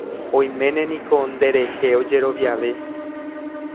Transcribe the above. Oiméne niko nderehe ojeroviave.